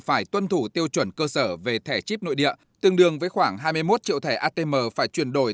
phải tuân thủ tiêu chuẩn cơ sở về thẻ chip nội địa tương đương với khoảng hai mươi một triệu thẻ atm phải chuyển đổi